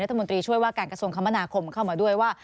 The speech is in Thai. รัฐมนตรีช่วยว่าการกระทรวงคมนาคมเข้ามาด้วยว่า